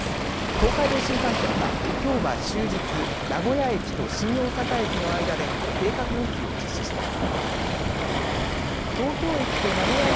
東海道新幹線はきょうは終日、名古屋駅と新大阪駅の間で計画運休を実施します。